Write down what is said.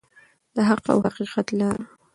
د حق او حقیقت لاره.